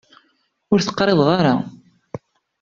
Ur t-qriḍeɣ ara.